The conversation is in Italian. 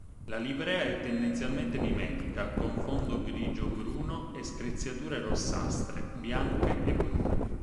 La livrea è tendenzialmente mimetica con fondo grigio-bruno e screziature rossastre, bianche e brune.